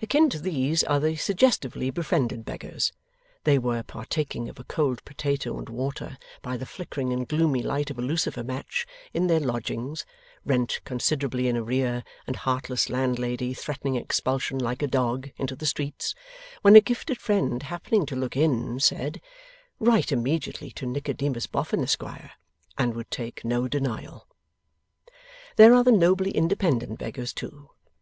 Akin to these are the suggestively befriended beggars. They were partaking of a cold potato and water by the flickering and gloomy light of a lucifer match, in their lodgings (rent considerably in arrear, and heartless landlady threatening expulsion 'like a dog' into the streets), when a gifted friend happening to look in, said, 'Write immediately to Nicodemus Boffin, Esquire,' and would take no denial. There are the nobly independent beggars too.